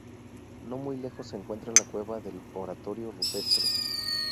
No muy lejos se encuentra la cueva del Oratorio Rupestre.